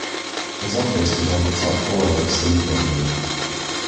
His office was on the top floor of C building.